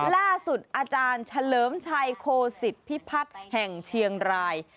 ล่าสุดอาจารย์เฉลิมชัยโคสิตพิพัฒน์แห่งเชียงราย